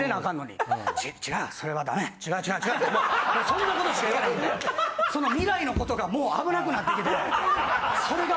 違う違うってもうそんなことしか言われへんからその未来のことがもう危なくなってきて。